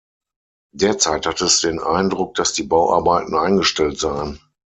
Derzeit hat es den Eindruck, dass die Bauarbeiten eingestellt seien.